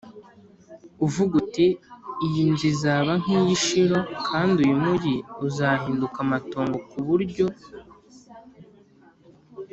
uvuga uti iyi nzu izaba nk iy i Shilo kandi uyu mugi uzahinduka amatongo ku buryo